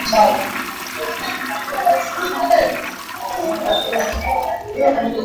Katika muda huu uchumi wao haswa ulikuwa unategemea karufuu kwa kiwango kikubwa